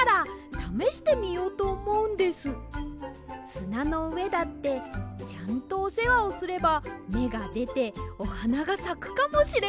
すなのうえだってちゃんとおせわをすればめがでておはながさくかもしれません。